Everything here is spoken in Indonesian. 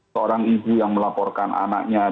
seorang ibu yang melaporkan anaknya